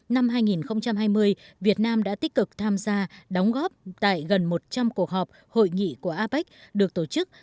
năm hai nghìn hai mươi việt nam đã tích cực tham gia đóng góp tại gần một trăm linh cuộc họp hội nghị của apec được tổ chức